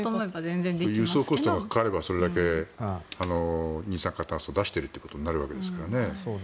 輸送コストがかかればそれだけ二酸化炭素を出していることになるわけですからね。